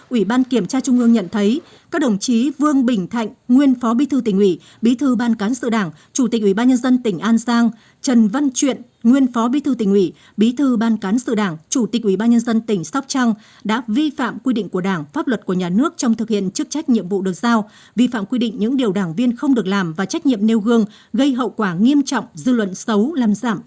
ủy ban kiểm tra trung ương nhận thấy các đồng chí vương bình thạnh nguyên phó bí thư tỉnh ủy bí thư ban cán sự đảng chủ tịch ủy ban nhân dân tỉnh an giang trần văn chuyện nguyên phó bí thư tỉnh ủy bí thư ban cán sự đảng chủ tịch ủy ban nhân dân tỉnh sóc trăng đã vi phạm quy định của đảng pháp luật của nhà nước trong thực hiện chức trách nhiệm vụ được giao vi phạm quy định những điều đảng viên không được làm và trách nhiệm nêu gương gây hậu quả nghiêm trọng dư luận xấu làm giảm